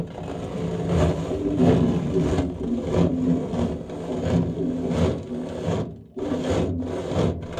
Elle est placée sous l'autorité du ministre chargé de la formation professionnelle.